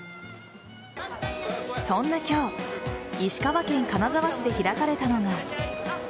そんな今日石川県金沢市で開かれたのが。